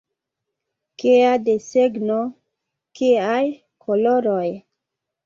Kia desegno, kiaj koloroj!